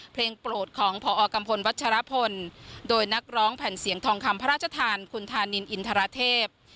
โปรดของพอกัมพลวัชรพลโดยนักร้องแผ่นเสียงทองคำพระราชทานคุณธานินอินทรเทพ